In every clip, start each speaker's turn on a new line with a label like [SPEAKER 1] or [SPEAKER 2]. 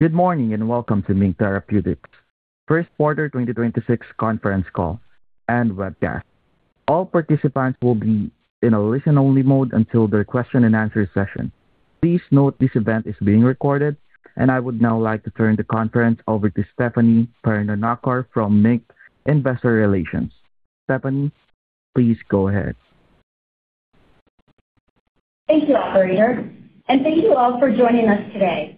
[SPEAKER 1] Good morning, and welcome to MiNK Therapeutics' first quarter 2026 conference call and webcast. All participants will be in a listen-only mode until the question and answer session. Please note this event is being recorded, and I would now like to turn the conference over to Stefanie Perna-Nacar from MiNK Investor Relations. Stefanie, please go ahead.
[SPEAKER 2] Thank you, Operator, and thank you all for joining us today.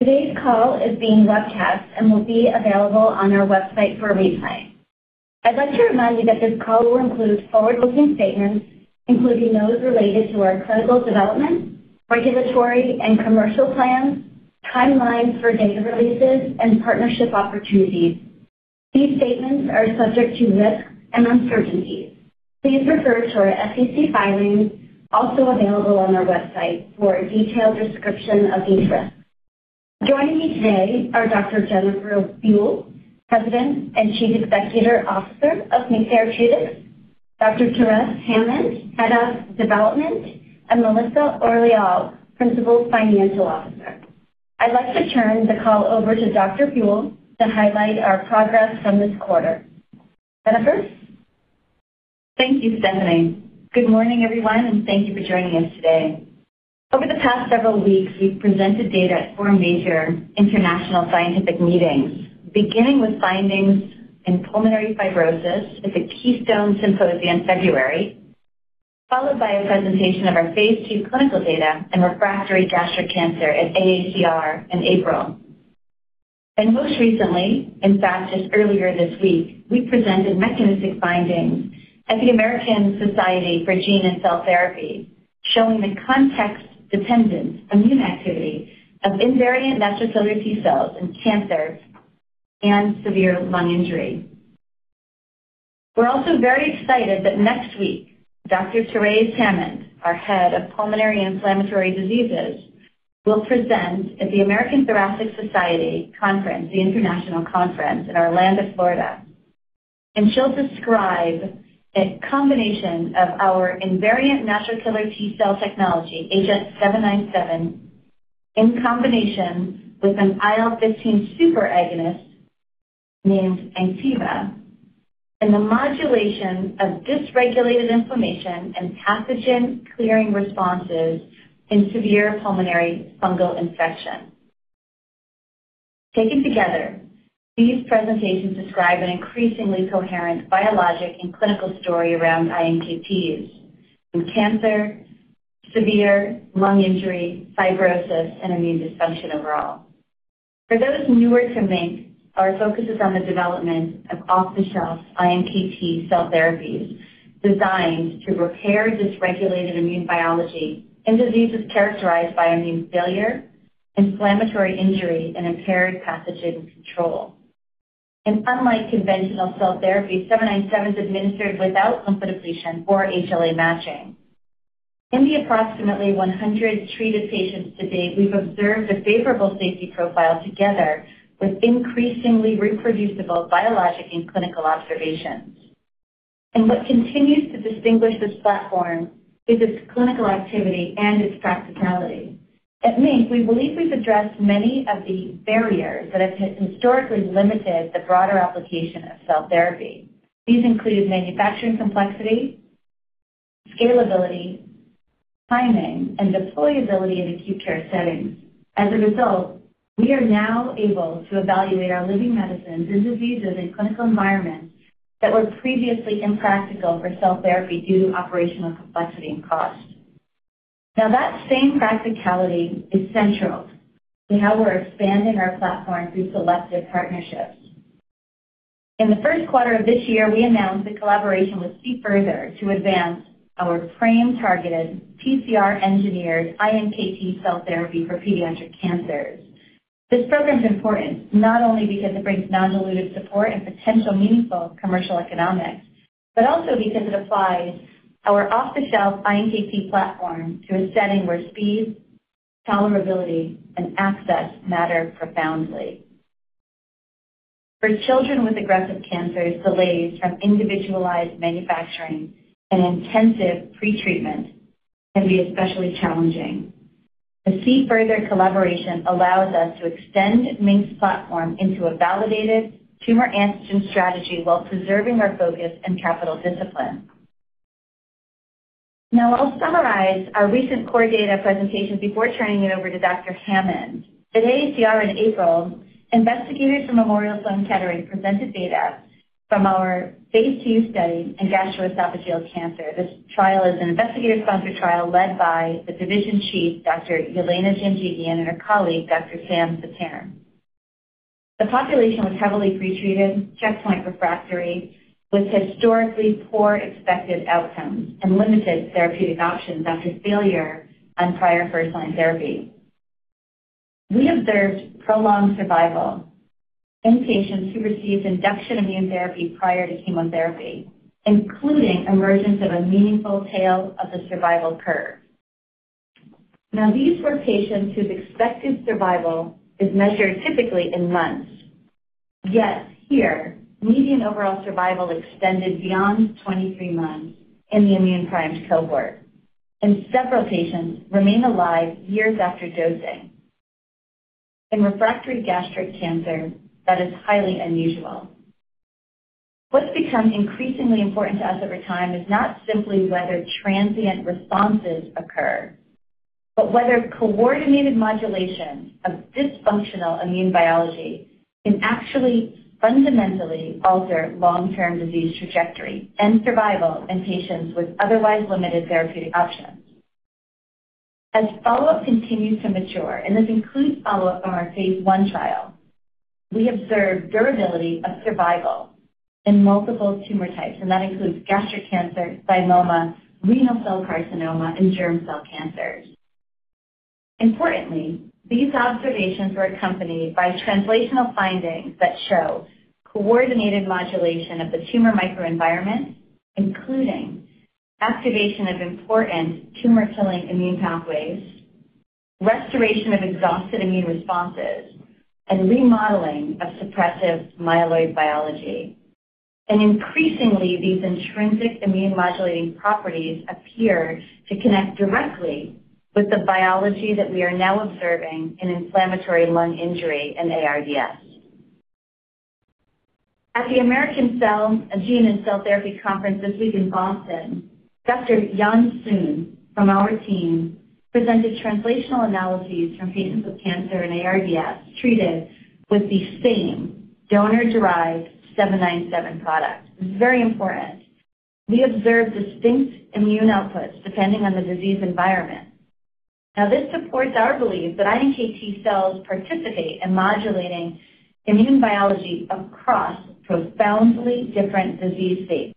[SPEAKER 2] Today's call is being webcast and will be available on our website for a replay. I'd like to remind you that this call will include forward-looking statements, including those related to our clinical development, regulatory and commercial plans, timelines for data releases, and partnership opportunities. These statements are subject to risks and uncertainties. Please refer to our SEC filings, also available on our website for a detailed description of these risks. Joining me today are Dr. Jennifer Buell, President and Chief Executive Officer of MiNK Therapeutics, Dr. Terese Hammond, Head of Development, and Melissa Orilall, Principal Financial Officer. I'd like to turn the call over to Dr. Buell to highlight our progress from this quarter. Jennifer?
[SPEAKER 3] Thank you, Stefanie. Good morning, everyone, and thank you for joining us today. Over the past several weeks, we've presented data at four major international scientific meetings, beginning with findings in pulmonary fibrosis at the Keystone Symposia in February, followed by a presentation of our phase II clinical data in refractory gastric cancer at AACR in April. Most recently, in fact, just earlier this week, we presented mechanistic findings at the American Society for Gene & Cell Therapy showing the context-dependent immune activity of invariant natural killer T cells in cancer and severe lung injury. We're also very excited that next week, Dr. Terese Hammond, our head of pulmonary inflammatory diseases, will present at the American Thoracic Society Conference, the international conference in Orlando, Florida. She'll describe a combination of our invariant natural killer T cell technology, agenT-797, in combination with an IL-15 superagonist named ANKTIVA, and the modulation of dysregulated inflammation and pathogen clearing responses in severe pulmonary fungal infection. Taken together, these presentations describe an increasingly coherent biologic and clinical story around iNKTs in cancer, severe lung injury, fibrosis, and immune dysfunction overall. For those newer to MiNK, our focus is on the development of off-the-shelf iNKT cell therapies designed to repair dysregulated immune biology and diseases characterized by immune failure, inflammatory injury, and impaired pathogen control. Unlike conventional cell therapies, 797 is administered without lymphodepletion or HLA matching. In the approximately 100 treated patients to date, we've observed a favorable safety profile together with increasingly reproducible biologic and clinical observations. What continues to distinguish this platform is its clinical activity and its practicality. At MiNK, we believe we've addressed many of the barriers that have historically limited the broader application of cell therapy. These include manufacturing complexity, scalability, timing, and deployability in acute care settings. As a result, we are now able to evaluate our living medicines and diseases in clinical environments that were previously impractical for cell therapy due to operational complexity and cost. That same practicality is central to how we're expanding our platform through selective partnerships. In the first quarter of this year, we announced a collaboration with C-Further to advance our PRAME-targeted TCR-engineered iNKT cell therapy for pediatric cancers. This program is important not only because it brings non-dilutive support and potential meaningful commercial economics, but also because it applies our off-the-shelf iNKT platform to a setting where speed, tolerability, and access matter profoundly. For children with aggressive cancers, delays from individualized manufacturing and intensive pretreatment can be especially challenging. The C-Further collaboration allows us to extend MiNK's platform into a validated tumor antigen strategy while preserving our focus and capital discipline. I'll summarize our recent core data presentation before turning it over to Dr. Hammond. At AACR in April, investigators from Memorial Sloan Kettering presented data from our phase II study in gastroesophageal cancer. This trial is an investigator-sponsored trial led by the division chief, Dr. Yelena Janjigian, and her colleague, Dr. Sam Spiteri. The population was heavily pretreated, checkpoint refractory, with historically poor expected outcomes and limited therapeutic options after failure on prior first-line therapy. We observed prolonged survival in patients who received induction immune therapy prior to chemotherapy, including emergence of a meaningful tail of the survival curve. Now, these were patients whose expected survival is measured typically in months. Yet here, median overall survival extended beyond 23 months in the immune primed cohort, and several patients remain alive years after dosing. In refractory gastric cancer, that is highly unusual. What's become increasingly important to us over time is not simply whether transient responses occur, but whether coordinated modulation of dysfunctional immune biology can actually fundamentally alter long-term disease trajectory and survival in patients with otherwise limited therapeutic options. As follow-up continues to mature, and this includes follow-up on our phase I trial, we observe durability of survival in multiple tumor types, and that includes gastric cancer, myeloma, renal cell carcinoma, and germ cell cancers. Importantly, these observations were accompanied by translational findings that show coordinated modulation of the tumor microenvironment, including activation of important tumor-killing immune pathways, restoration of exhausted immune responses, and remodeling of suppressive myeloid biology. Increasingly, these intrinsic immune modulating properties appear to connect directly with the biology that we are now observing in inflammatory lung injury and ARDS. At the Cell and Gene Therapy conference this week in Boston, Dr. Yan Sun from our team presented translational analyses from patients with cancer and ARDS treated with the same donor-derived agenT-797 product. Very important. We observed distinct immune outputs depending on the disease environment. This supports our belief that iNKT cells participate in modulating immune biology across profoundly different disease states.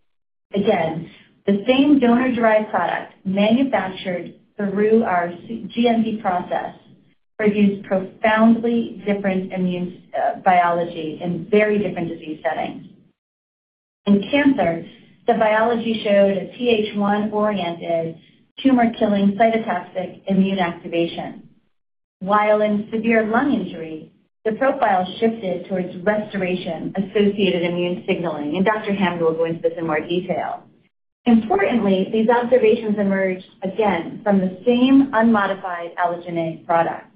[SPEAKER 3] The same donor-derived product manufactured through our GMP process produced profoundly different immune biology in very different disease settings. In cancer, the biology showed a Th1-oriented tumor-killing cytotoxic immune activation. In severe lung injury, the profile shifted towards restoration-associated immune signaling. Dr. Hammond will go into this in more detail. Importantly, these observations emerged again from the same unmodified allogeneic product.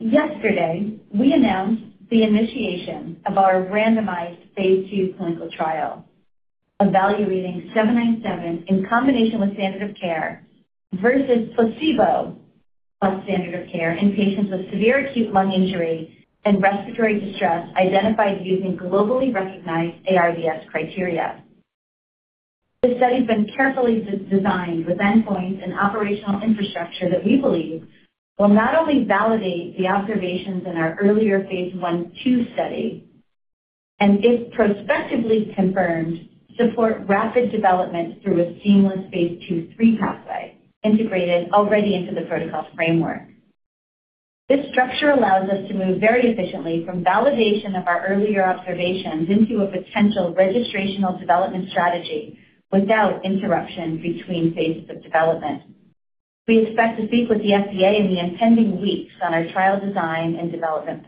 [SPEAKER 3] Yesterday, we announced the initiation of our randomized phase II clinical trial evaluating agenT-797 in combination with standard of care versus placebo plus standard of care in patients with severe acute lung injury and respiratory distress identified using globally recognized ARDS criteria. The study's been carefully de-designed with endpoints and operational infrastructure that we believe will not only validate the observations in our earlier phase I/II study and if prospectively confirmed, support rapid development through a seamless phase II/III pathway integrated already into the protocol framework. This structure allows us to move very efficiently from validation of our earlier observations into a potential registrational development strategy without interruption between phases of development. We expect to speak with the FDA in the impending weeks on our trial design and development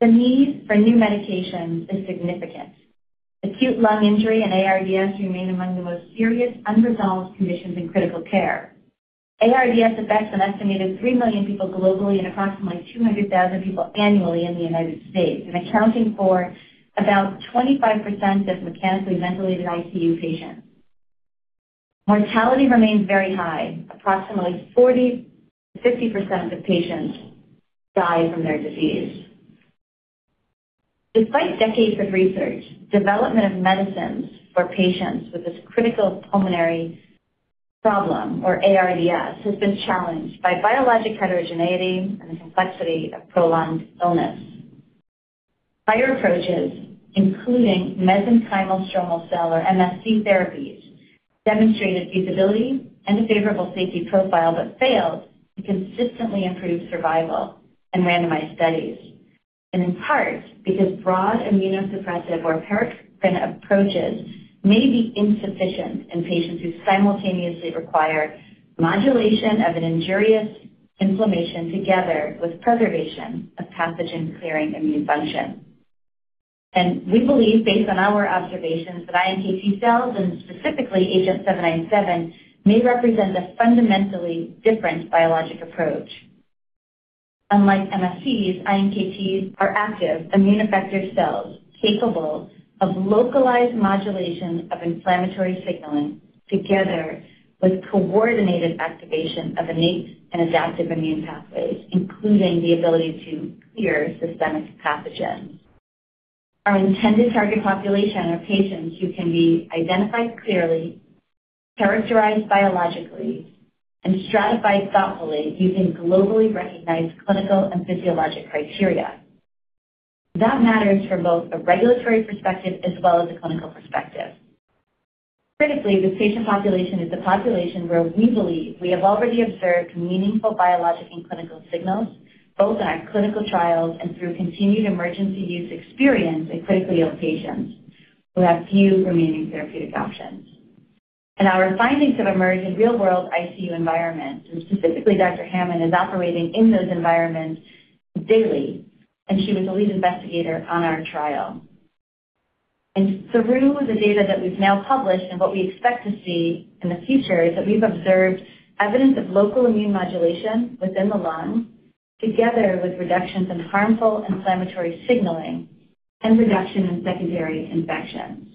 [SPEAKER 3] plans. The need for new medications is significant. Acute lung injury and ARDS remain among the most serious unresolved conditions in critical care. ARDS affects an estimated 3 million people globally and approximately 200,000 people annually in the U.S. accounting for about 25% of mechanically ventilated ICU patients. Mortality remains very high. Approximately 40%-50% of patients die from their disease. Despite decades of research, development of medicines for patients with this critical pulmonary problem or ARDS has been challenged by biologic heterogeneity and the complexity of prolonged illness. Prior approaches, including mesenchymal stromal cell or MSC therapies, demonstrated feasibility and a favorable safety profile, failed to consistently improve survival in randomized studies. In part, because broad immunosuppressive approaches may be insufficient in patients who simultaneously require modulation of an injurious inflammation together with preservation of pathogen clearing immune function. We believe based on our observations that iNKT cells and specifically agenT-797 may represent a fundamentally different biologic approach. Unlike MSCs, iNKTs are active immune effector cells capable of localized modulation of inflammatory signaling together with coordinated activation of innate and adaptive immune pathways, including the ability to clear systemic pathogens. Our intended target population are patients who can be identified clearly, characterized biologically, and stratified thoughtfully using globally recognized clinical and physiologic criteria. That matters from both a regulatory perspective as well as a clinical perspective. Critically, this patient population is the population where we believe we have already observed meaningful biologic and clinical signals, both in our clinical trials and through continued emergency use experience in critically ill patients who have few remaining therapeutic options. Our findings have emerged in real-world ICU environments, and specifically Dr. Hammond is operating in those environments daily, and she was the lead investigator on our trial. Through the data that we've now published and what we expect to see in the future is that we've observed evidence of local immune modulation within the lung, together with reductions in harmful inflammatory signaling and reduction in secondary infections.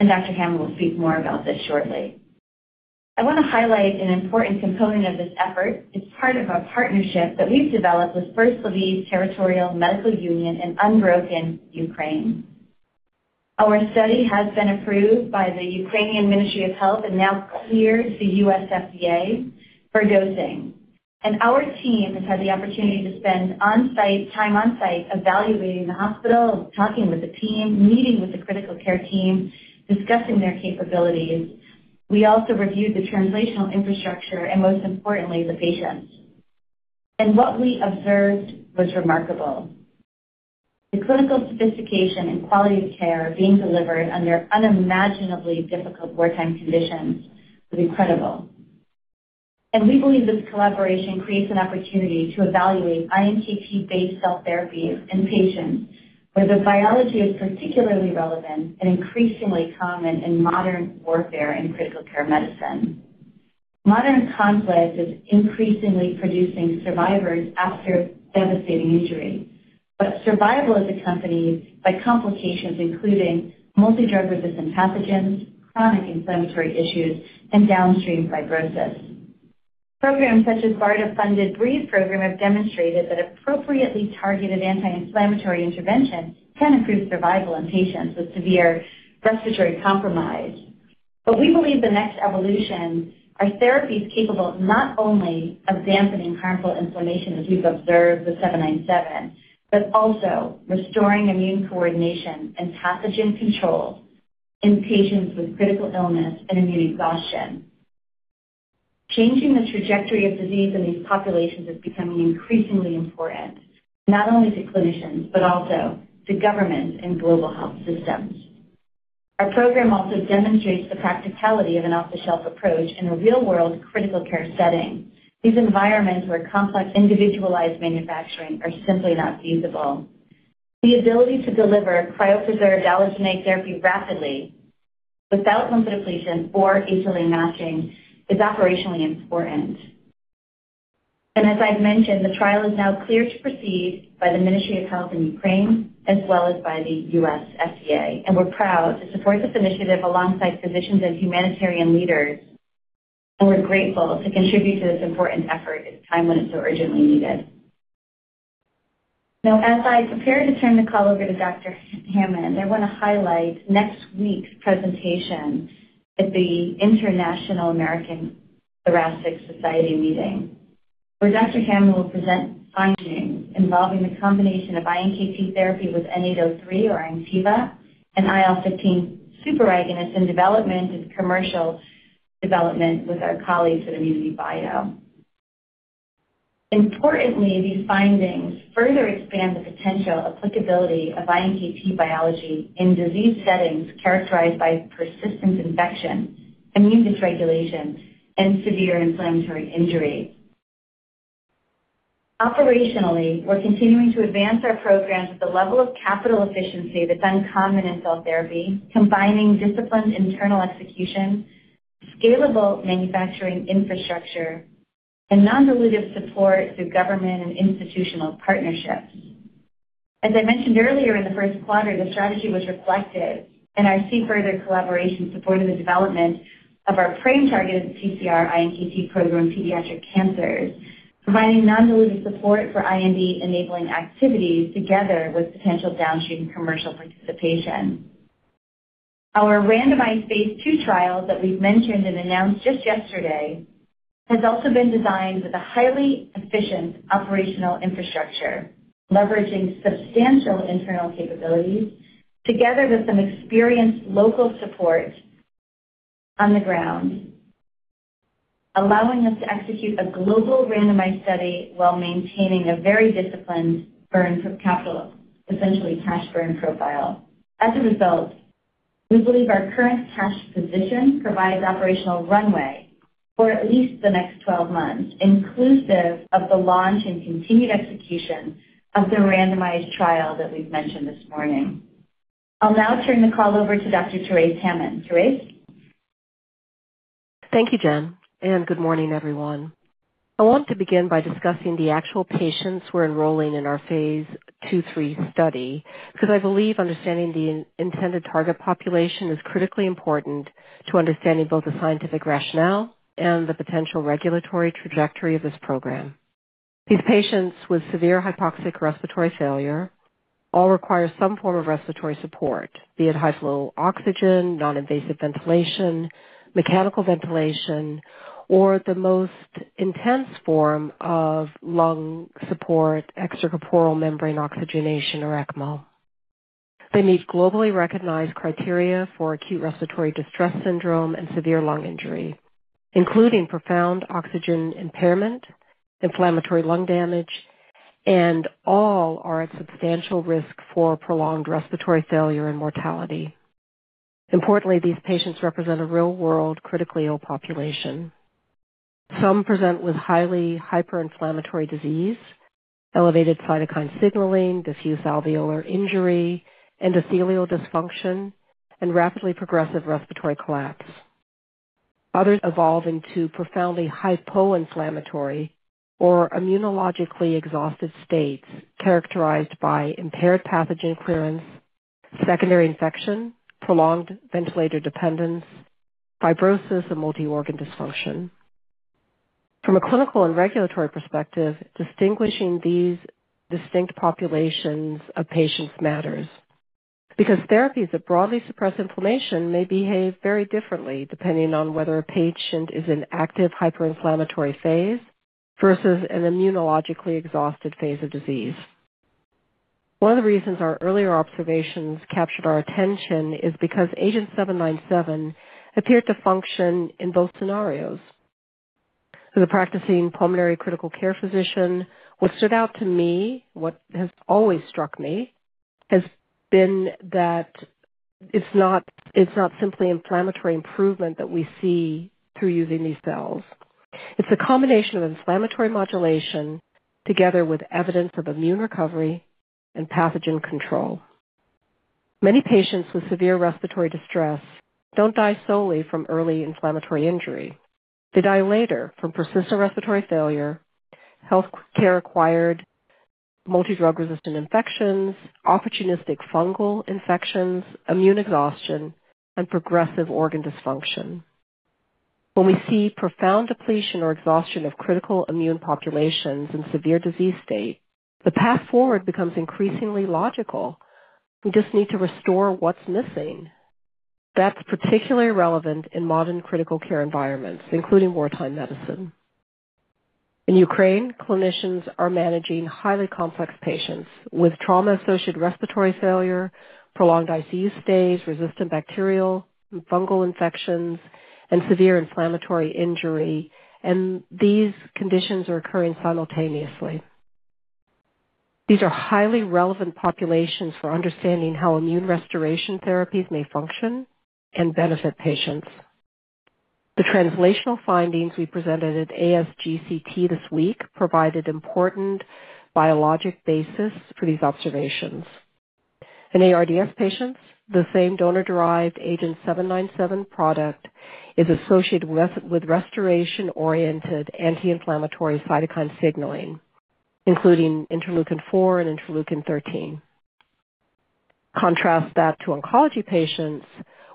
[SPEAKER 3] Dr. Hammond will speak more about this shortly. I want to highlight an important component of this effort. It's part of a partnership that we've developed with First Lviv Territorial Medical Union in UNBROKEN Ukraine. Our study has been approved by the Ministry of Health of Ukraine and now clears the FDA for dosing. Our team has had the opportunity to spend on-site, time on-site evaluating the hospital and talking with the team, meeting with the critical care team, discussing their capabilities. We also reviewed the translational infrastructure and, most importantly, the patients. What we observed was remarkable. The clinical sophistication and quality of care being delivered under unimaginably difficult wartime conditions was incredible. We believe this collaboration creates an opportunity to evaluate iNKT-based cell therapies in patients where the biology is particularly relevant and increasingly common in modern warfare and critical care medicine. Modern conflict is increasingly producing survivors after devastating injury, survival is accompanied by complications including multi-drug resistant pathogens, chronic inflammatory issues, and downstream fibrosis. Programs such as BARDA-funded JUST BREATHE program have demonstrated that appropriately targeted anti-inflammatory intervention can improve survival in patients with severe respiratory compromise. We believe the next evolution are therapies capable not only of dampening harmful inflammation, as we've observed with seven-nine-seven, but also restoring immune coordination and pathogen control in patients with critical illness and immune exhaustion. Changing the trajectory of disease in these populations is becoming increasingly important, not only to clinicians, but also to governments and global health systems. Our program also demonstrates the practicality of an off-the-shelf approach in a real-world critical care setting, these environments where complex individualized manufacturing are simply not feasible. The ability to deliver cryopreserved allogeneic therapy rapidly without lymphodepletion or HLA matching is operationally important. As I've mentioned, the trial is now clear to proceed by the Ministry of Health of Ukraine as well as by the U.S. FDA, and we're proud to support this initiative alongside physicians and humanitarian leaders, and we're grateful to contribute to this important effort at a time when it's so urgently needed. Now, as I prepare to turn the call over to Dr. Hammond, I want to highlight next week's presentation at the American Thoracic Society meeting, where Dr. Hammond will present findings involving the combination of iNKT therapy with N-803, or ANKTIVA, an IL-15 superagonist in development and commercial development with our colleagues at ImmunityBio. Importantly, these findings further expand the potential applicability of iNKT biology in disease settings characterized by persistent infection, immune dysregulation, and severe inflammatory injury. Operationally, we're continuing to advance our programs with a level of capital efficiency that's uncommon in cell therapy, combining disciplined internal execution, scalable manufacturing infrastructure, and non-dilutive support through government and institutional partnerships. As I mentioned earlier in the first quarter, the strategy was reflected in our C-Further collaboration support in the development of our PRAME-targeted TCR iNKT program pediatric cancers, providing non-dilutive support for IND-enabling activities together with potential downstream commercial participation. Our randomized phase II trial that we've mentioned and announced just yesterday has also been designed with a highly efficient operational infrastructure, leveraging substantial internal capabilities together with some experienced local support on the ground, allowing us to execute a global randomized study while maintaining a very disciplined burn cap, essentially cash burn profile. As a result, we believe our current cash position provides operational runway for at least the next 12 months, inclusive of the launch and continued execution of the randomized trial that we've mentioned this morning. I'll now turn the call over to Dr. Terese Hammond. Terese?
[SPEAKER 4] Thank you, Jen, good morning, everyone. I want to begin by discussing the actual patients we're enrolling in our phase II/III study because I believe understanding the intended target population is critically important to understanding both the scientific rationale and the potential regulatory trajectory of this program. These patients with severe hypoxic respiratory failure all require some form of respiratory support, be it high flow oxygen, non-invasive ventilation, mechanical ventilation, or the most intense form of lung support, extracorporeal membrane oxygenation, or ECMO. They meet globally recognized criteria for acute respiratory distress syndrome and severe lung injury, including profound oxygen impairment, inflammatory lung damage. All are at substantial risk for prolonged respiratory failure and mortality. Importantly, these patients represent a real-world critically ill population. Some present with highly hyperinflammatory disease, elevated cytokine signaling, diffuse alveolar injury, endothelial dysfunction, and rapidly progressive respiratory collapse. Others evolve into profoundly hypoinflammatory or immunologically exhausted states characterized by impaired pathogen clearance, secondary infection, prolonged ventilator dependence, fibrosis, and multi-organ dysfunction. From a clinical and regulatory perspective, distinguishing these distinct populations of patients matters because therapies that broadly suppress inflammation may behave very differently depending on whether a patient is in active hyperinflammatory phase versus an immunologically exhausted phase of disease. One of the reasons our earlier observations captured our attention is because agenT-797 appeared to function in both scenarios. As a practicing pulmonary critical care physician, what stood out to me, what has always struck me, has been that it's not simply inflammatory improvement that we see through using these cells. It's a combination of inflammatory modulation together with evidence of immune recovery and pathogen control. Many patients with severe respiratory distress don't die solely from early inflammatory injury. They die later from persistent respiratory failure, healthcare-acquired, multi-drug-resistant infections, opportunistic fungal infections, immune exhaustion, and progressive organ dysfunction. When we see profound depletion or exhaustion of critical immune populations in severe disease state, the path forward becomes increasingly logical. We just need to restore what's missing. That's particularly relevant in modern critical care environments, including wartime medicine. In Ukraine, clinicians are managing highly complex patients with trauma-associated respiratory failure, prolonged ICU stays, resistant bacterial and fungal infections, and severe inflammatory injury, and these conditions are occurring simultaneously. These are highly relevant populations for understanding how immune restoration therapies may function and benefit patients. The translational findings we presented at ASGCT this week provided important biologic basis for these observations. In ARDS patients, the same donor-derived agenT-797 product is associated with restoration-oriented anti-inflammatory cytokine signaling, including interleukin-4 and interleukin-13. Contrast that to oncology patients,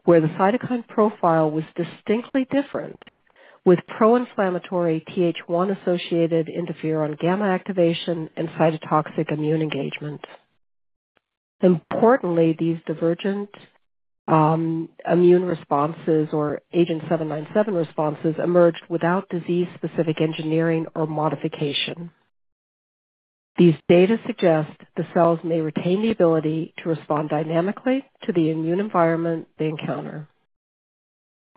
[SPEAKER 4] where the cytokine profile was distinctly different with pro-inflammatory Th1-associated interferon gamma activation and cytotoxic immune engagement. Importantly, these divergent immune responses or agenT-797 responses emerged without disease-specific engineering or modification. These data suggest the cells may retain the ability to respond dynamically to the immune environment they encounter.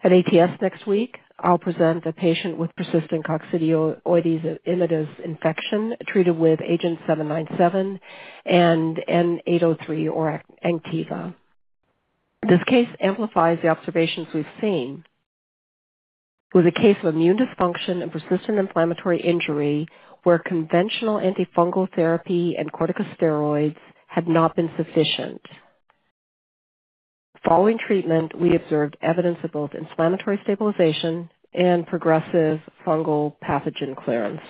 [SPEAKER 4] At ATS next week, I'll present a patient with persistent Coccidioides immitis infection treated with agenT-797 and N-803, or ANKTIVA. This case amplifies the observations we've seen. It was a case of immune dysfunction and persistent inflammatory injury where conventional antifungal therapy and corticosteroids had not been sufficient. Following treatment, we observed evidence of both inflammatory stabilization and progressive fungal pathogen clearance.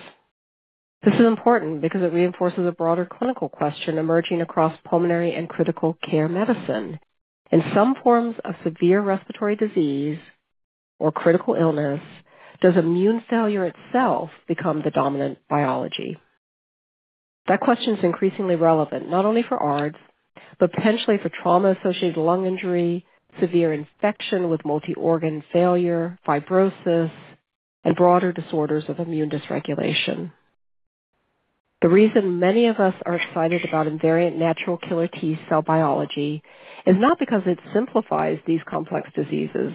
[SPEAKER 4] This is important because it reinforces a broader clinical question emerging across pulmonary and critical care medicine. In some forms of severe respiratory disease or critical illness, does immune failure itself become the dominant biology? That question is increasingly relevant not only for ARDS, but potentially for trauma-associated lung injury, severe infection with multi-organ failure, fibrosis, and broader disorders of immune dysregulation. The reason many of us are excited about invariant natural killer T cell biology is not because it simplifies these complex diseases.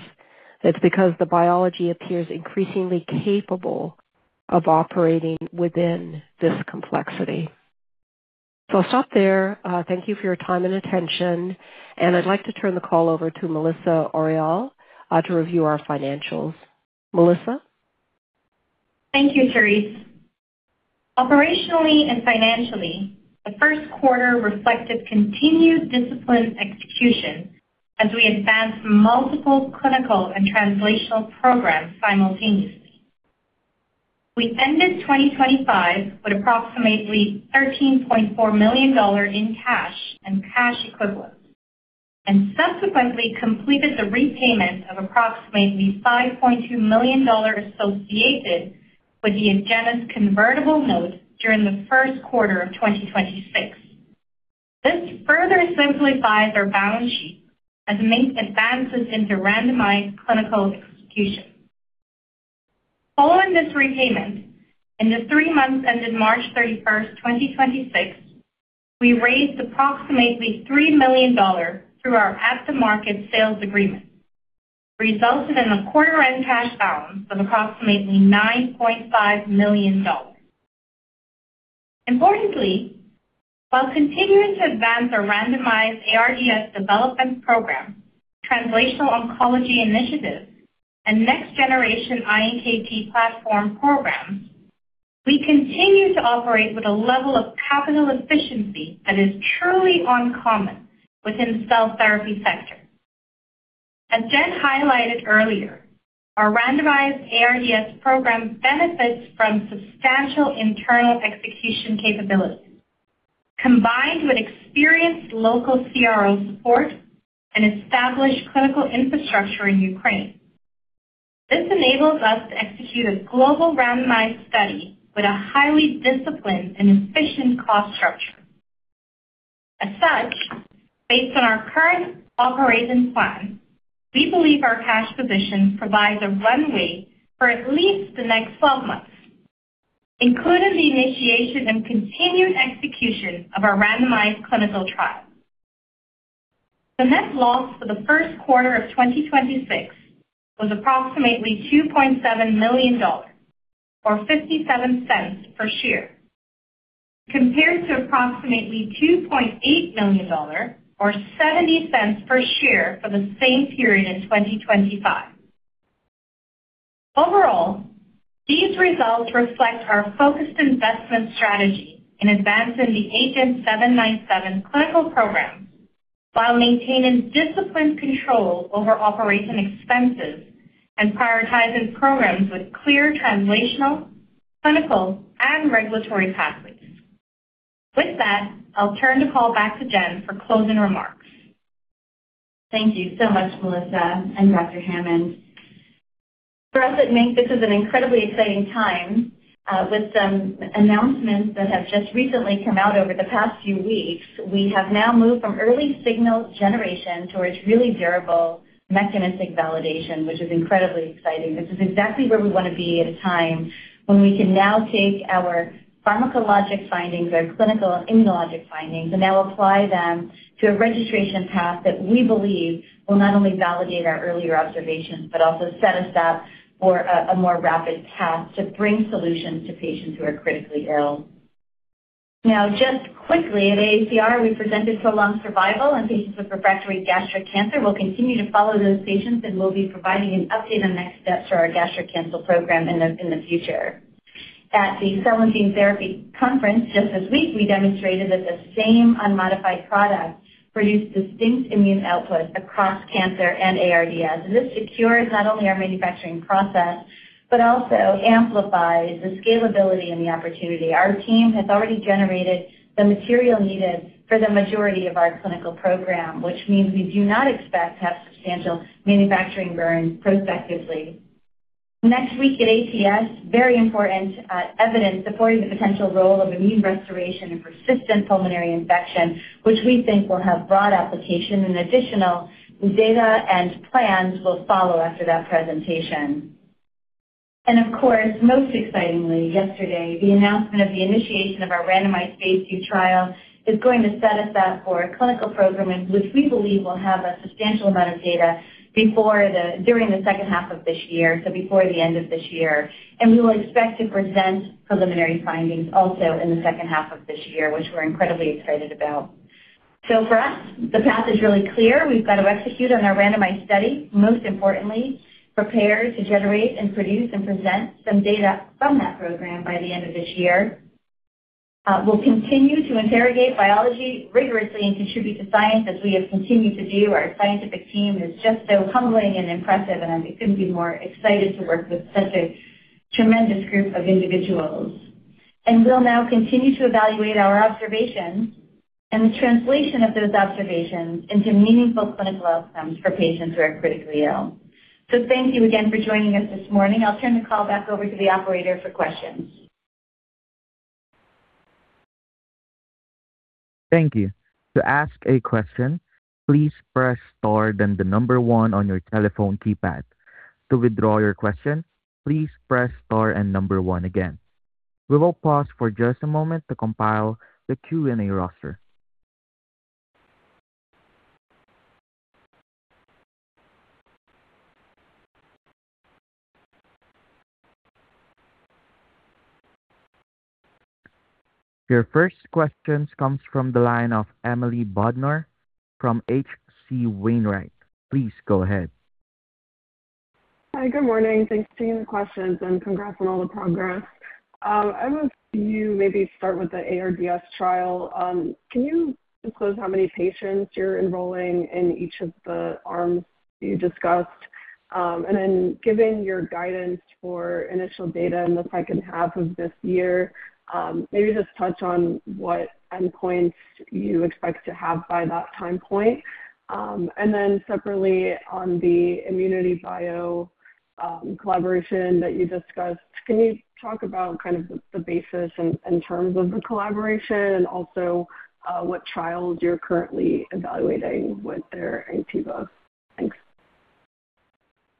[SPEAKER 4] It's because the biology appears increasingly capable of operating within this complexity. I'll stop there. Thank you for your time and attention, and I'd like to turn the call over to Melissa Orilall to review our financials. Melissa?
[SPEAKER 5] Thank you, Terese. Operationally and financially, the first quarter reflected continued disciplined execution as we advanced multiple clinical and translational programs simultaneously. We ended 2025 with approximately $13.4 million in cash and cash equivalents and subsequently completed the repayment of approximately $5.2 million associated with the Agenus convertible note during the first quarter of 2026. This further simplifies our balance sheet as it makes advances into randomized clinical execution. Following this repayment, in the three months ended March 31st, 2026, we raised approximately $3 million through our at-the-market sales agreement, resulting in a quarter-end cash balance of approximately $9.5 million. Importantly, while continuing to advance our randomized ARDS development program, translational oncology initiatives, and next-generation iNKT platform programs, we continue to operate with a level of capital efficiency that is truly uncommon within the cell therapy sector. As Jen highlighted earlier, our randomized ARDS program benefits from substantial internal execution capabilities, combined with experienced local CRO support and established clinical infrastructure in Ukraine. This enables us to execute a global randomized study with a highly disciplined and efficient cost structure. As such, based on our current operating plan, we believe our cash position provides a runway for at least the next 12 months, including the initiation and continued execution of our randomized clinical trial. The net loss for the first quarter of 2026 was approximately $2.7 million, or $0.57 per share, compared to approximately $2.8 million, or $0.70 per share for the same period in 2025. Overall, these results reflect our focused investment strategy in advancing the agenT-797 clinical program while maintaining disciplined control over operating expenses and prioritizing programs with clear translational, clinical, and regulatory pathways. With that, I'll turn the call back to Jen for closing remarks.
[SPEAKER 3] Thank you so much, Melissa and Dr. Hammond. For us at MiNK, this is an incredibly exciting time. With some announcements that have just recently come out over the past few weeks, we have now moved from early signal generation towards really durable mechanistic validation, which is incredibly exciting. This is exactly where we want to be at a time when we can now take our pharmacologic findings, our clinical and immunologic findings, and now apply them to a registration path that we believe will not only validate our earlier observations, but also set us up for a more rapid path to bring solutions to patients who are critically ill. Just quickly, at AACR, we presented so long survival in patients with refractory gastric cancer. We'll continue to follow those patients, and we'll be providing an update on next steps for our gastric cancer program in the future. At the Cell and Gene Therapy conference just this week, we demonstrated that the same unmodified product produced distinct immune output across cancer and ARDS. This secures not only our manufacturing process but also amplifies the scalability and the opportunity. Our team has already generated the material needed for the majority of our clinical program, which means we do not expect to have substantial manufacturing burn prospectively. Next week at ATS, very important evidence supporting the potential role of immune restoration in persistent pulmonary infection, which we think will have broad application. Additional data and plans will follow after that presentation. Of course, most excitingly, yesterday, the announcement of the initiation of our randomized phase II trial is going to set us up for a clinical program which we believe will have a substantial amount of data during the second half of this year, so before the end of this year. We will expect to present preliminary findings also in the second half of this year, which we're incredibly excited about. For us, the path is really clear. We've got to execute on our randomized study, most importantly, prepare to generate and produce and present some data from that program by the end of this year. We'll continue to interrogate biology rigorously and contribute to science as we have continued to do. Our scientific team is just so humbling and impressive, and I couldn't be more excited to work with such a tremendous group of individuals. We'll now continue to evaluate our observations and the translation of those observations into meaningful clinical outcomes for patients who are critically ill. Thank you again for joining us this morning. I'll turn the call back over to the operator for questions.
[SPEAKER 1] Thank you. To ask a question, please press star then 1 on your telephone keypad. To withdraw your question, please press star and 1 again. We will pause for just a moment to compile the Q&A roster. Your first questions comes from the line of Emily Bodnar from H.C. Wainwright. Please go ahead.
[SPEAKER 6] Hi. Good morning. Thanks for taking the questions, congrats on all the progress. I want you maybe start with the ARDS trial. Can you disclose how many patients you're enrolling in each of the arms you discussed? Given your guidance for initial data in the second half of this year, maybe just touch on what endpoints you expect to have by that time point. Separately on the ImmunityBio collaboration that you discussed, can you talk about kind of the basis in terms of the collaboration and also what trials you're currently evaluating with their ANKTIVA? Thanks.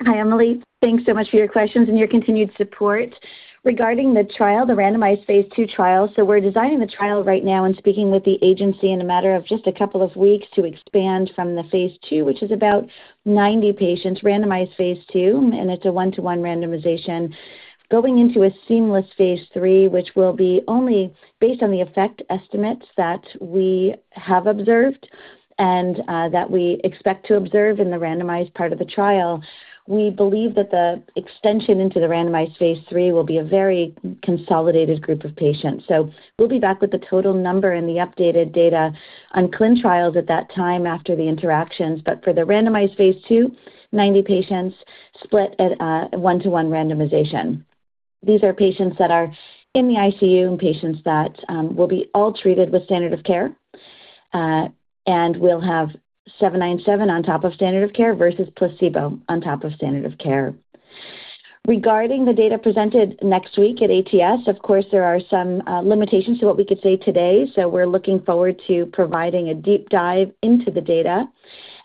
[SPEAKER 3] Hi, Emily. Thanks so much for your questions and your continued support. Regarding the trial, the randomized phase II trial, we're designing the trial right now and speaking with the agency in a matter of just a couple of weeks to expand from the phase II, which is about 90 patients, randomized phase II, and it's a 1:1 randomization, going into a seamless phase III, which will be only based on the effect estimates that we have observed and that we expect to observe in the randomized part of the trial. We believe that the extension into the randomized phase III will be a very consolidated group of patients. We'll be back with the total number and the updated data on clin trials at that time after the interactions. For the randomized phase II, 90 patients split at a 1:1 randomization. These are patients that are in the ICU and patients that will be all treated with standard of care and will have 797 on top of standard of care versus placebo on top of standard of care. Regarding the data presented next week at ATS, of course, there are some limitations to what we could say today. We're looking forward to providing a deep dive into the data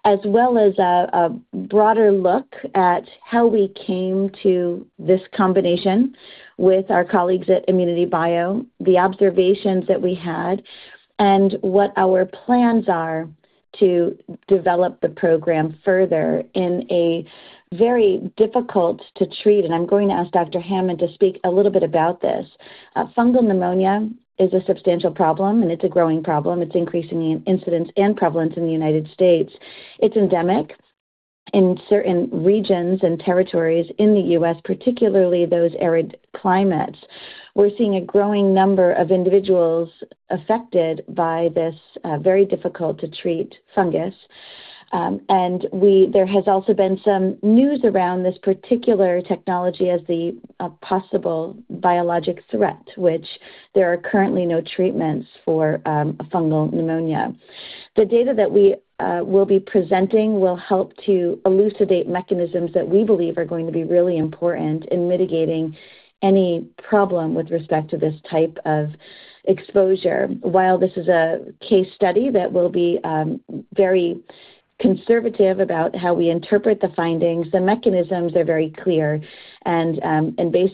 [SPEAKER 3] as well as a broader look at how we came to this combination with our colleagues at ImmunityBio, the observations that we had, and what our plans are to develop the program further in a very difficult to treat, and I'm going to ask Dr. Hammond to speak a little bit about this. Fungal pneumonia is a substantial problem. It's a growing problem. It's increasing in incidence and prevalence in the United States. It's endemic in certain regions and territories in the U.S., particularly those arid climates. We're seeing a growing number of individuals affected by this very difficult to treat fungus. There has also been some news around this particular technology as the possible biologic threat, which there are currently no treatments for a fungal pneumonia. The data that we will be presenting will help to elucidate mechanisms that we believe are going to be really important in mitigating any problem with respect to this type of exposure. While this is a case study that will be very conservative about how we interpret the findings, the mechanisms are very clear. Based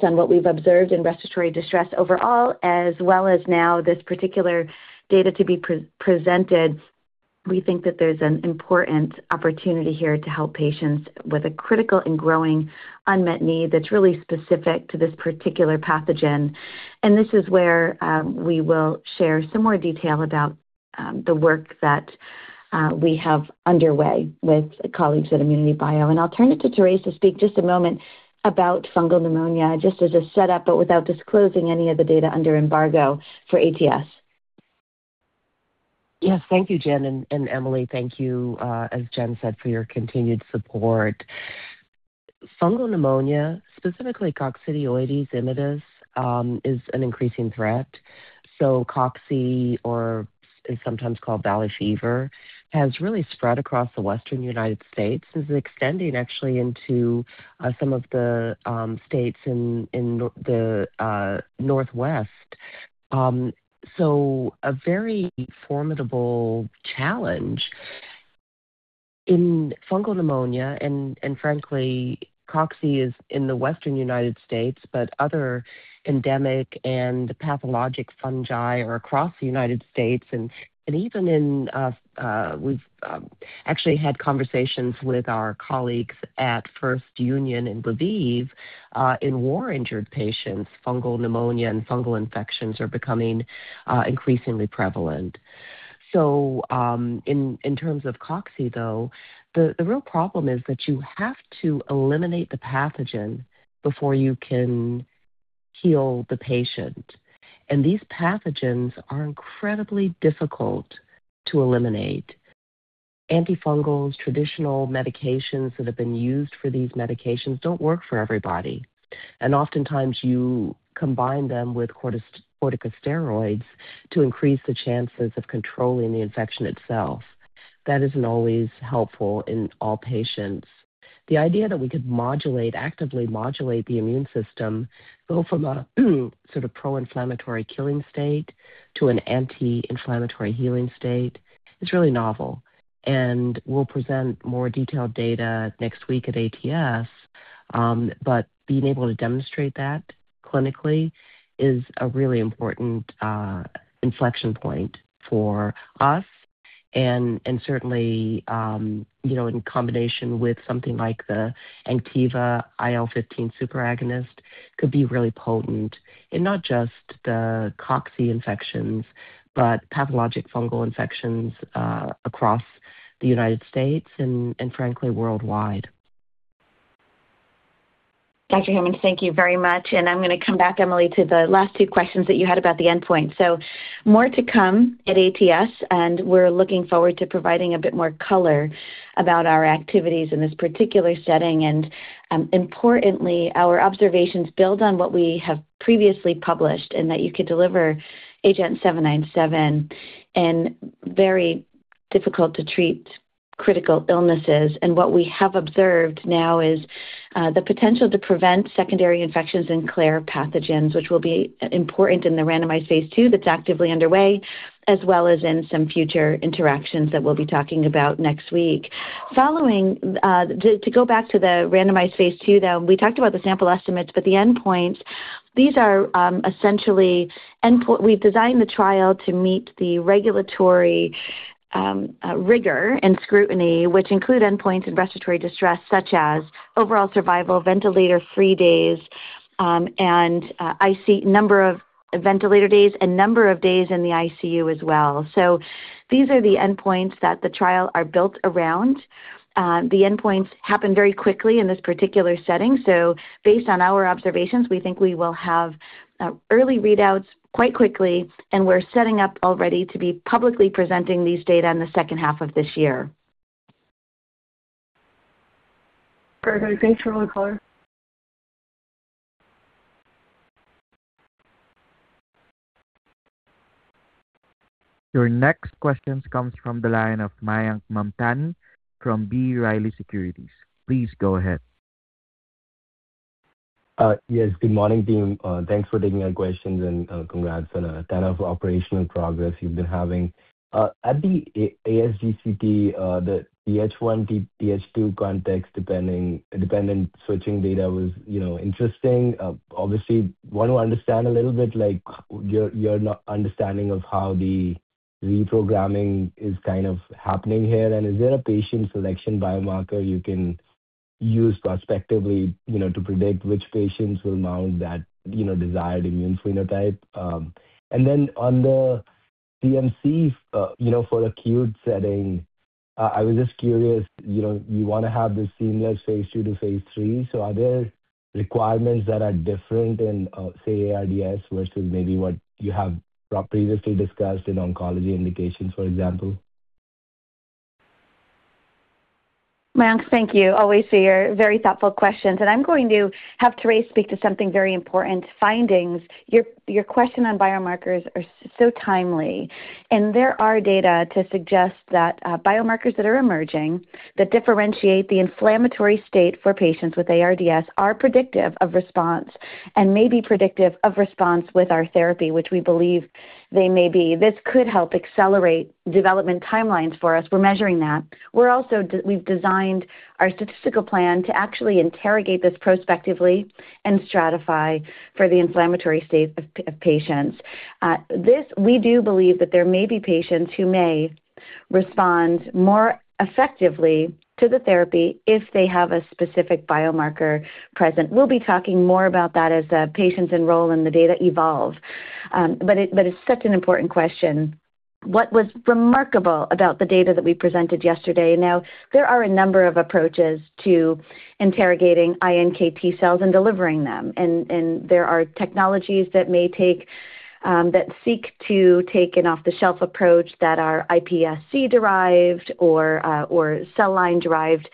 [SPEAKER 3] on what we've observed in respiratory distress overall, as well as now this particular data to be pre-presented, we think that there's an important opportunity here to help patients with a critical and growing unmet need that's really specific to this particular pathogen. This is where we will share some more detail about the work that we have underway with colleagues at ImmunityBio. I'll turn it to Terese to speak just a moment about fungal pneumonia, just as a setup, but without disclosing any of the data under embargo for ATS.
[SPEAKER 4] Yes. Thank you, Jen, and Emily, thank you, as Jen said, for your continued support. Fungal pneumonia, specifically Coccidioides immitis, is an increasing threat. Cocci, or is sometimes called Valley fever, has really spread across the Western U.S. This is extending actually into some of the states in the Northwest. A very formidable challenge in fungal pneumonia and, frankly, cocci is in the Western U.S., but other endemic and pathologic fungi are across the U.S. and even We've actually had conversations with our colleagues at First Lviv Territorial Medical Union in Lviv. In war-injured patients, fungal pneumonia and fungal infections are becoming increasingly prevalent. In, in terms of cocci, though, the real problem is that you have to eliminate the pathogen before you can heal the patient, and these pathogens are incredibly difficult to eliminate. Antifungals, traditional medications that have been used for these medications don't work for everybody, and oftentimes you combine them with corticosteroids to increase the chances of controlling the infection itself. That isn't always helpful in all patients. The idea that we could modulate, actively modulate the immune system, go from a sort of pro-inflammatory killing state to an anti-inflammatory healing state, it's really novel, and we'll present more detailed data next week at ATS. Being able to demonstrate that clinically is a really important inflection point for us and, certainly, you know, in combination with something like the ANKTIVA IL-15 superagonist could be really potent in not just the cocci infections, but pathologic fungal infections across the U.S. and, frankly, worldwide.
[SPEAKER 3] Dr. Hammond, thank you very much. I'm gonna come back, Emily, to the last two questions that you had about the endpoint. More to come at ATS, and we're looking forward to providing a bit more color about our activities in this particular setting. Importantly, our observations build on what we have previously published and that you could deliver agenT-797 in very difficult to treat critical illnesses. What we have observed now is the potential to prevent secondary infections in clear pathogens, which will be important in the randomized phase II that's actively underway, as well as in some future interactions that we'll be talking about next week. To go back to the randomized phase II, though, we talked about the sample estimates, but the endpoints. These are essentially endpoints. We've designed the trial to meet the regulatory rigor and scrutiny, which include endpoints in respiratory distress such as overall survival, ventilator-free days, and number of ventilator days, and number of days in the ICU as well. These are the endpoints that the trial are built around. The endpoints happen very quickly in this particular setting. Based on our observations, we think we will have early readouts quite quickly, and we're setting up already to be publicly presenting these data in the second half of this year.
[SPEAKER 6] Perfect. Thanks for all the color.
[SPEAKER 1] Your next question comes from the line of Mayank Mamtani from B. Riley Securities. Please go ahead.
[SPEAKER 7] Yes. Good morning, team. Thanks for taking our questions, congrats on a ton of operational progress you've been having. At the ASGCT, the Th1, Th2 context dependent switching data was, you know, interesting. Obviously want to understand a little bit like your understanding of how the reprogramming is kind of happening here. Is there a patient selection biomarker you can use prospectively, you know, to predict which patients will mount that, you know, desired immune phenotype? On the CMC, you know, for acute setting, I was just curious, you know, you wanna have this seamless phase II to phase III, are there requirements that are different in, say, ARDS versus maybe what you have previously discussed in oncology indications, for example?
[SPEAKER 3] Mayank, thank you. Always for your very thoughtful questions. I'm going to have Terese speak to something very important, findings. Your question on biomarkers are so timely, and there are data to suggest that biomarkers that are emerging that differentiate the inflammatory state for patients with ARDS are predictive of response and may be predictive of response with our therapy, which we believe they may be. This could help accelerate development timelines for us. We're measuring that. We've designed our statistical plan to actually interrogate this prospectively and stratify for the inflammatory state of patients. This, we do believe that there may be patients who may respond more effectively to the therapy if they have a specific biomarker present. We'll be talking more about that as patients enroll and the data evolve. It's such an important question. What was remarkable about the data that we presented yesterday. There are a number of approaches to interrogating iNKT cells and delivering them, and there are technologies that may take that seek to take an off-the-shelf approach that are iPSC-derived or cell line-derived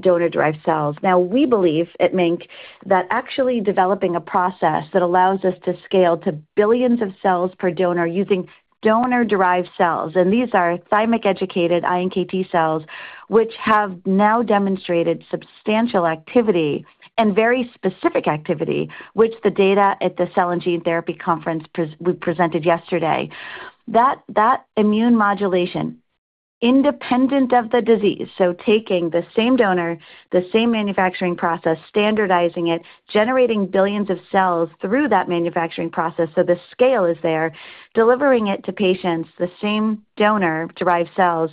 [SPEAKER 3] donor-derived cells. We believe at MiNK that actually developing a process that allows us to scale to billions of cells per donor using donor-derived cells, and these are thymic-educated iNKT cells, which have now demonstrated substantial activity and very specific activity, which the data at the Cell & Gene Therapy conference we presented yesterday. That immune modulation, independent of the disease, taking the same donor, the same manufacturing process, standardizing it, generating billions of cells through that manufacturing process, the scale is there, delivering it to patients, the same donor-derived cells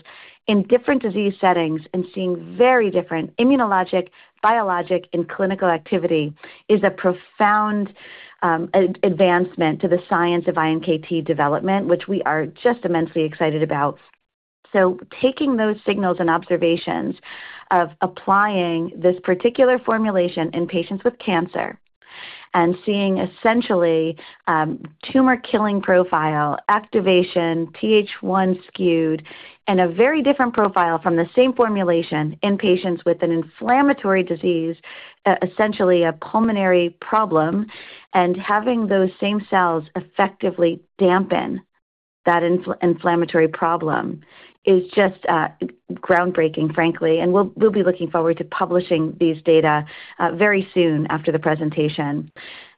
[SPEAKER 3] in different disease settings and seeing very different immunologic, biologic, and clinical activity is a profound advancement to the science of iNKT development, which we are just immensely excited about. Taking those signals and observations of applying this particular formulation in patients with cancer and seeing essentially tumor-killing profile, activation, Th1 skewed, and a very different profile from the same formulation in patients with an inflammatory disease, essentially a pulmonary problem, and having those same cells effectively dampen that inflammatory problem is just groundbreaking, frankly. We'll be looking forward to publishing these data very soon after the presentation.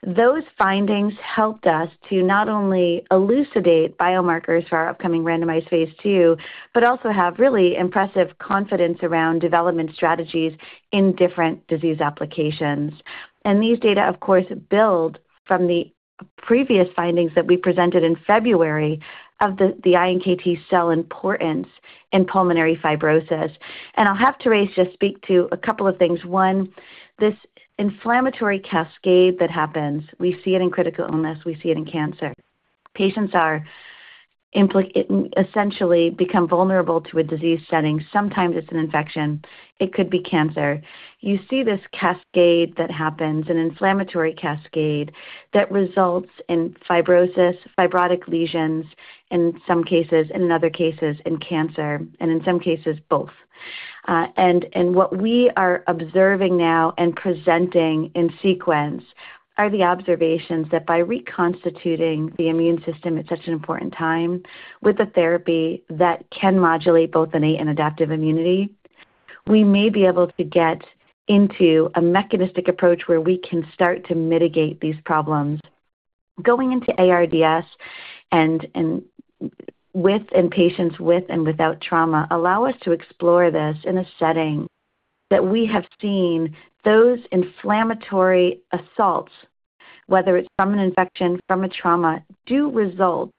[SPEAKER 3] Those findings helped us to not only elucidate biomarkers for our upcoming randomized phase II, but also have really impressive confidence around development strategies in different disease applications. These data, of course, build from the previous findings that we presented in February of the iNKT cell importance in pulmonary fibrosis. I'll have Terese just speak to a couple of things. One, this inflammatory cascade that happens, we see it in critical illness, we see it in cancer. Patients are essentially become vulnerable to a disease setting. Sometimes it's an infection, it could be cancer. You see this cascade that happens, an inflammatory cascade that results in fibrosis, fibrotic lesions in some cases, in other cases in cancer, and in some cases both. And what we are observing now and presenting in sequence are the observations that by reconstituting the immune system at such an important time with a therapy that can modulate both innate and adaptive immunity, we may be able to get into a mechanistic approach where we can start to mitigate these problems. Going into ARDS and with patients with and without trauma allow us to explore this in a setting that we have seen those inflammatory assaults, whether it's from an infection, from a trauma, do result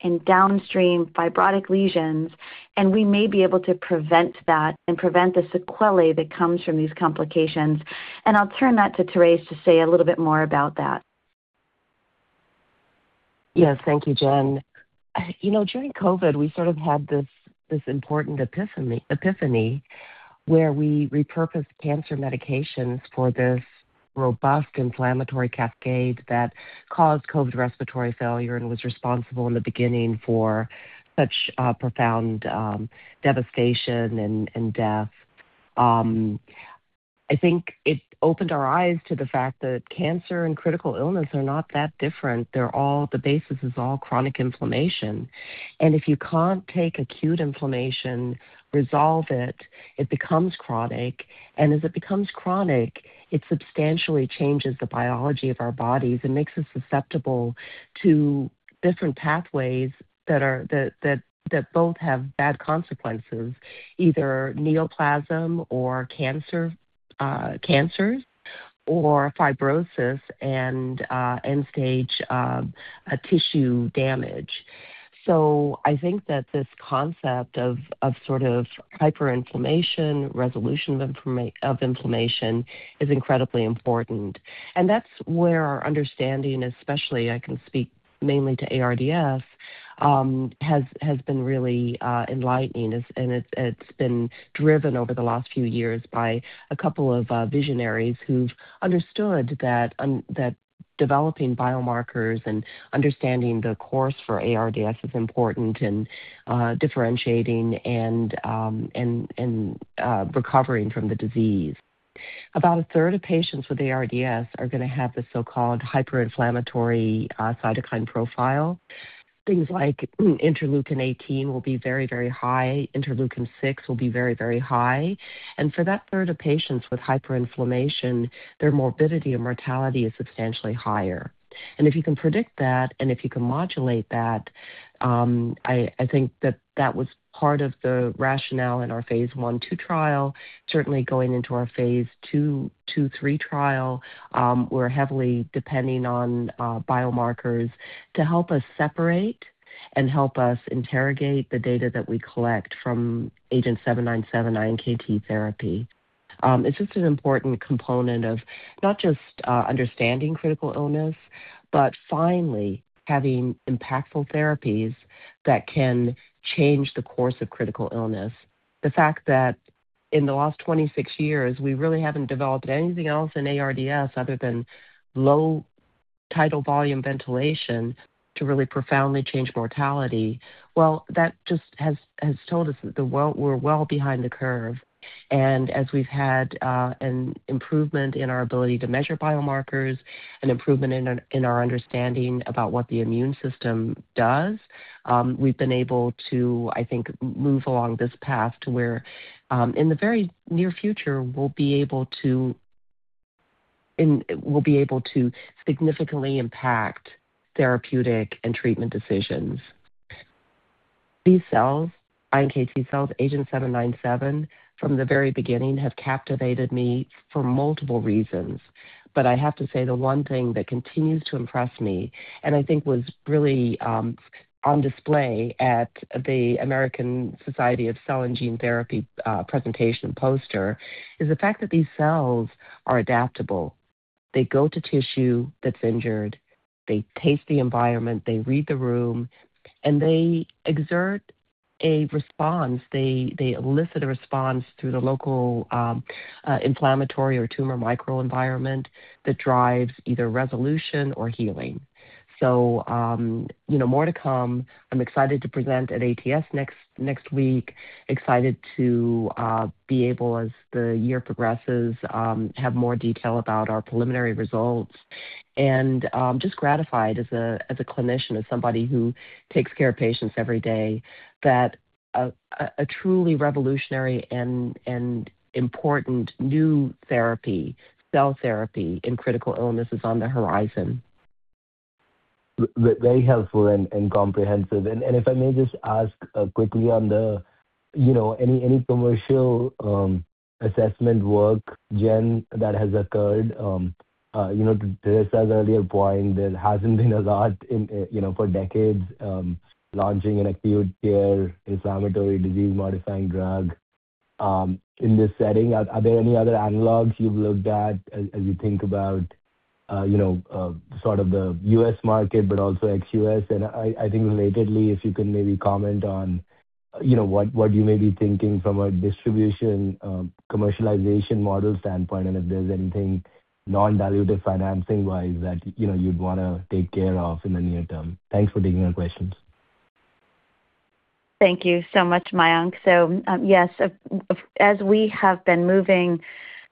[SPEAKER 3] in downstream fibrotic lesions, and we may be able to prevent that and prevent the sequelae that comes from these complications. I'll turn that to Terese to say a little bit more about that.
[SPEAKER 4] Yes. Thank you, Jen. You know, during COVID, we sort of had this important epiphany where we repurposed cancer medications for this robust inflammatory cascade that caused COVID respiratory failure and was responsible in the beginning for such profound devastation and death. I think it opened our eyes to the fact that cancer and critical illness are not that different. The basis is all chronic inflammation. If you can't take acute inflammation, resolve it becomes chronic. As it becomes chronic, it substantially changes the biology of our bodies and makes us susceptible to different pathways that both have bad consequences, either neoplasm or cancers or fibrosis and end-stage tissue damage. I think that this concept of sort of hyperinflammation, resolution of inflammation is incredibly important. That's where our understanding, especially I can speak mainly to ARDS, has been really enlightening. It's been driven over the last few years by a couple of visionaries who've understood that developing biomarkers and understanding the course for ARDS is important in differentiating and recovering from the disease. About a third of patients with ARDS are gonna have the so-called hyperinflammatory cytokine profile. Things like interleukin-18 will be very, very high. Interleukin-6 will be very, very high. For that third of patients with hyperinflammation, their morbidity and mortality is substantially higher. If you can predict that, and if you can modulate that, I think that that was part of the rationale in our phase I/II trial. Certainly going into our phase II, III trial, we're heavily depending on biomarkers to help us separate and help us interrogate the data that we collect from agenT-797 iNKT therapy. It's just an important component of not just understanding critical illness, but finally having impactful therapies that can change the course of critical illness. The fact that in the last 26 years, we really haven't developed anything else in ARDS other than low tidal volume ventilation to really profoundly change mortality, well, that just has told us that the world, we're well behind the curve. As we've had an improvement in our ability to measure biomarkers, an improvement in our, in our understanding about what the immune system does, we've been able to, I think, move along this path to where, in the very near future, we'll be able to significantly impact therapeutic and treatment decisions. These iNKT cells, agenT-797, from the very beginning, have captivated me for multiple reasons. I have to say, the one thing that continues to impress me, and I think was really on display at the American Society of Cell and Gene Therapy presentation poster, is the fact that these cells are adaptable. They go to tissue that's injured, they taste the environment, they read the room, and they exert a response. They elicit a response through the local inflammatory or tumor microenvironment that drives either resolution or healing. You know, more to come. I'm excited to present at ATS next week. Excited to be able, as the year progresses, have more detail about our preliminary results. Just gratified as a clinician, as somebody who takes care of patients every day, that a truly revolutionary and important new therapy, cell therapy in critical illness is on the horizon.
[SPEAKER 7] Very helpful and comprehensive. If I may just ask quickly on the, you know, any commercial assessment work, Jen, that has occurred. You know, to Terese's earlier point, there hasn't been a lot in, you know, for decades, launching an acute care inflammatory disease-modifying drug in this setting. Are there any other analogs you've looked at as you think about, you know, sort of the U.S. market, but also ex-U.S.? I think relatedly, if you can maybe comment on, you know, what you may be thinking from a distribution, commercialization model standpoint, and if there's anything non-dilutive financing-wise that, you know, you'd wanna take care of in the near term. Thanks for taking our questions.
[SPEAKER 3] Thank you so much, Mayank. Yes, as we have been moving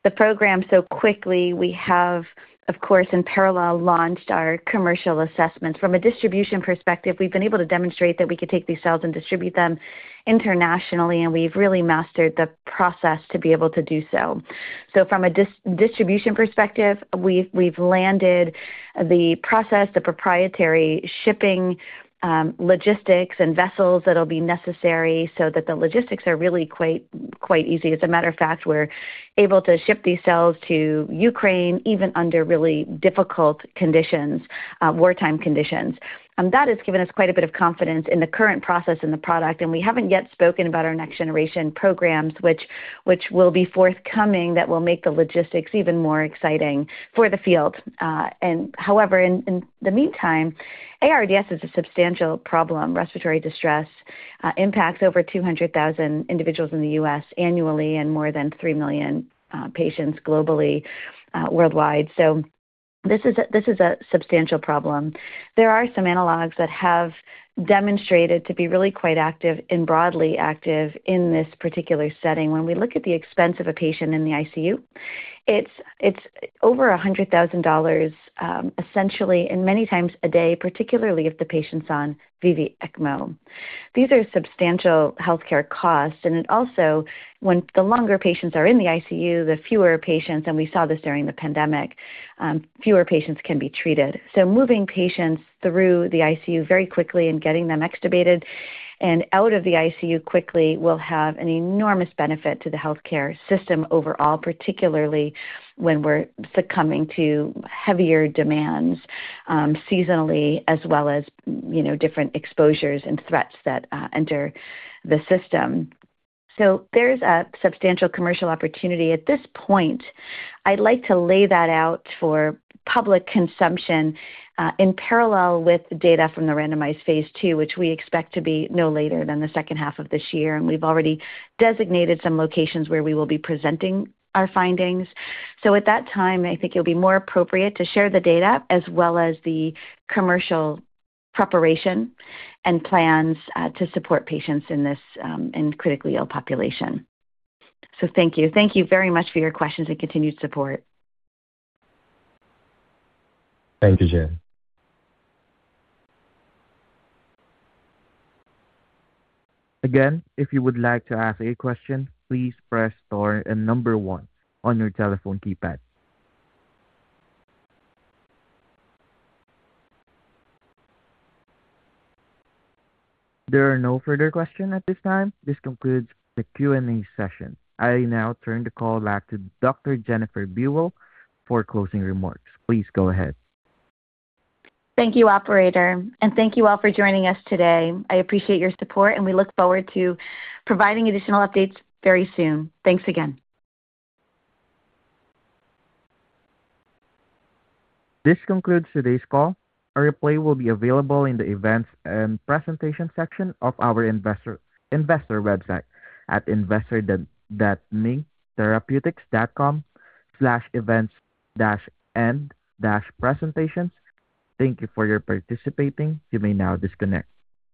[SPEAKER 3] the program so quickly, we have, of course, in parallel launched our commercial assessments. From a distribution perspective, we've been able to demonstrate that we could take these cells and distribute them internationally, and we've really mastered the process to be able to do so. From a distribution perspective, we've landed the process, the proprietary shipping, logistics and vessels that'll be necessary so that the logistics are really quite easy. As a matter of fact, we're able to ship these cells to Ukraine even under really difficult conditions, wartime conditions. That has given us quite a bit of confidence in the current process and the product, we haven't yet spoken about our next generation programs, which will be forthcoming that will make the logistics even more exciting for the field. However, in the meantime, ARDS is a substantial problem. Respiratory distress impacts over 200,000 individuals in the U.S. annually and more than 3 million patients globally worldwide. This is a substantial problem. There are some analogs that have demonstrated to be really quite active and broadly active in this particular setting. When we look at the expense of a patient in the ICU, it's over $100,000 essentially and many times a day, particularly if the patient's on VV ECMO. These are substantial healthcare costs, and it also When the longer patients are in the ICU, the fewer patients, and we saw this during the pandemic, fewer patients can be treated. Moving patients through the ICU very quickly and getting them extubated and out of the ICU quickly will have an enormous benefit to the healthcare system overall, particularly when we're succumbing to heavier demands, seasonally as well as, you know, different exposures and threats that enter the system. There's a substantial commercial opportunity. At this point, I'd like to lay that out for public consumption, in parallel with the data from the randomized phase II, which we expect to be no later than the second half of this year. We've already designated some locations where we will be presenting our findings. At that time, I think it'll be more appropriate to share the data as well as the commercial preparation and plans to support patients in this critically ill population. Thank you. Thank you very much for your questions and continued support.
[SPEAKER 7] Thank you, Jen.
[SPEAKER 1] Again, if you would like to ask a question, please press star and one on your telephone keypad. There are no further question at this time. This concludes the Q&A session. I now turn the call back to Dr. Jennifer Buell for closing remarks. Please go ahead.
[SPEAKER 3] Thank you, Operator. Thank you all for joining us today. I appreciate your support, and we look forward to providing additional updates very soon. Thanks again.
[SPEAKER 1] This concludes today's call. A replay will be available in the events and presentations section of our investor website at investor.minktherapeutics.com/events-and-presentations. Thank you for your participating. You may now disconnect.